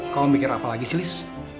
kamu mikir apa lagi sih lis